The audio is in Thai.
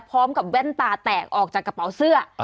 พร้อมกับแว่นตาแตกออกจากกระเป๋าเสื้อเอ่อ